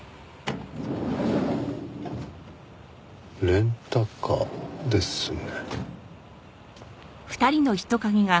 レンタカーですね。